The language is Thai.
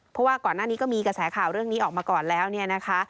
เพราะว่าก่อนหน้านี้ก็มีกระแสข่าวเรื่องนี้ออกมาก่อนแล้วเนี่ยนะคะ